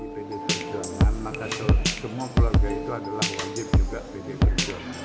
jadi pd perjuangan maka semua keluarga itu adalah wajib juga pd perjuangan